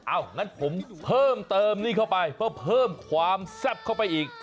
งั้นผมเพิ่มเติมนี่เข้าไปเพื่อเพิ่มความแซ่บเข้าไปอีก